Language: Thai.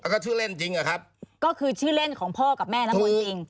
แล้วก็ชื่อเล่นจริงอะครับก็คือชื่อเล่นของพ่อกับแม่น้ำมนต์จริง